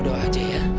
tunggu aja ya